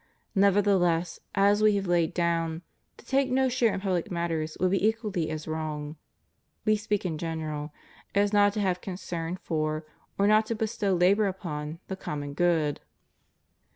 Nevertheless, as We have laid down, to take no share in public matters would be equally as wrong (We speak in general) as not to have concern for, or not to bestow labor upon, the common good.